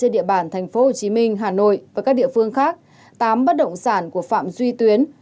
địa bản tp hcm hà nội và các địa phương khác tám bất động sản của phạm duy tuyến